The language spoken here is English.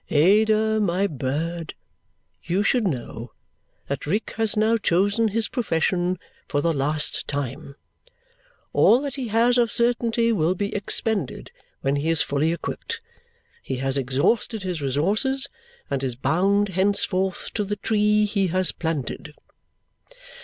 "Ada, my bird, you should know that Rick has now chosen his profession for the last time. All that he has of certainty will be expended when he is fully equipped. He has exhausted his resources and is bound henceforward to the tree he has planted."